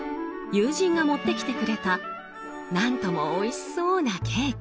友人が持ってきてくれた何ともおいしそうなケーキ。